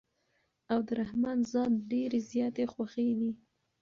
او د رحمن ذات ډېرې زياتي خوښې دي